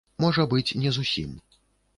Можа быць, не зусім.